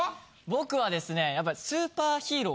僕はですね。